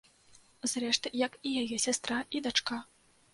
Зрэшты, як і яе сястра і дачка.